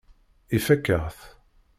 Ifakk-aɣ-t.